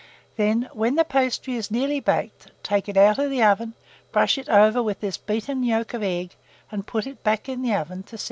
Then, when the pastry is nearly baked, take it out of the oven, brush it over with this beaten yolk of egg, and put it back in the oven to set the glaze.